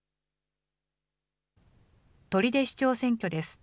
取手市長選挙です。